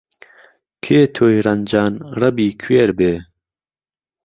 کێ تۆی رهنجان رهبی کوێر بێ